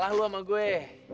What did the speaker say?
bukal kalah lu sama gue